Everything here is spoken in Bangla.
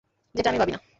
যেটা আমি ভাবিনা।